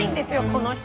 この人！